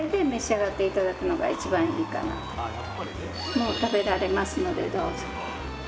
もう食べられますのでどうぞ。